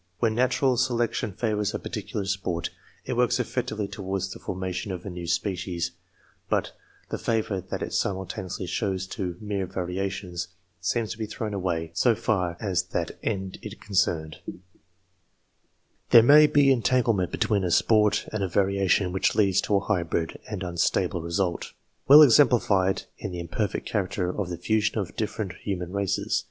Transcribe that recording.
When natural selection favours a particular sport, it works effectively towards the formation of a new species, but the favour that it simultaneously shows to mere variations seems to be thrown away, so far as that end is concerned^ There may be entanglement between a sport and a variation which leads to a hybrid and unstable result, well exemplified in the imperfect character of the fusion of dif ferent human races.